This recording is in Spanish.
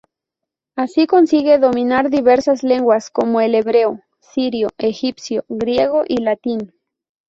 Así consigue dominar diversas lenguas como el hebreo, sirio, egipcio, griego y latín.